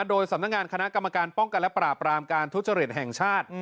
โดยสำนักงานคณะกรรมการป้องกันและปราบรามการทุจริตแห่งชาติ